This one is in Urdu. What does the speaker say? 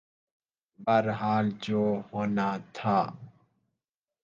بہرحال جو ہونا تھا۔